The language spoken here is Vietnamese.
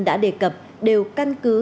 đã đề cập đều căn cứ